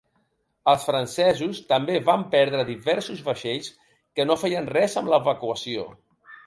Els francesos també van perdre diversos vaixells que no feien res amb l'evacuació.